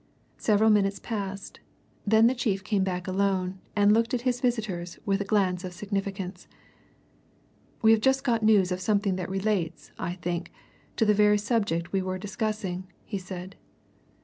Several minutes passed; then the chief came back alone, and looked at his visitors with a glance of significance. "We have just got news of something that relates, I think, to the very subject we were discussing," he said.